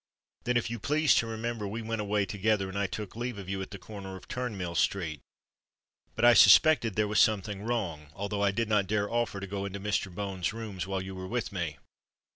Then, if you please to remember, we went away together—and I took leave of you at the corner of Turnmill Street. But I suspected there was something wrong—although I did not dare offer to go into Mr. Bones's rooms while you were with me.